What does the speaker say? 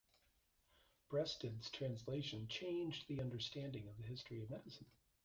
Breasted's translation changed the understanding of the history of medicine.